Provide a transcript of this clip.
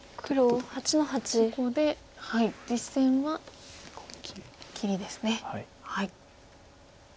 ここで実戦は切りですね。